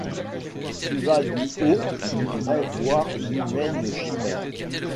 Tu vas du haut du vrai voir l'humaine chimère